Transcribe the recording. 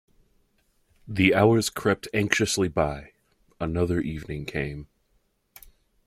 The hours crept anxiously by: another evening came.